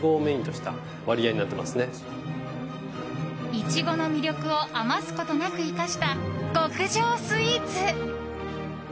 イチゴの魅力を余すことなく生かした極上スイーツ。